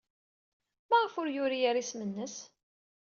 Maɣef ur yuri ara isem-nnes?